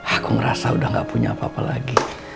aku ngerasa udah gak punya apa apa lagi